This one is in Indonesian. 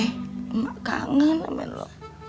emak kangen sama lu